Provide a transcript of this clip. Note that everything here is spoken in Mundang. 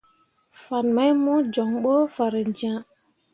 Fan mai mo jon ɓo farenjẽa.